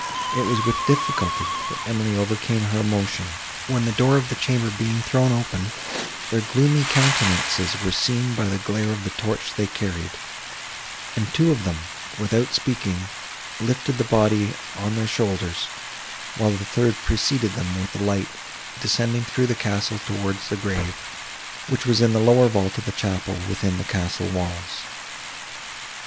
It was with difficulty that Emily overcame her emotion, when, the door of the chamber being thrown open, their gloomy countenances were seen by the glare of the torch they carried, and two of them, without speaking, lifted the body on their shoulders, while the third preceding them with the light, descended through the castle towards the grave, which was in the lower vault of the chapel within the castle walls.